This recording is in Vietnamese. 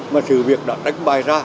mà sự việc đã đánh bài ra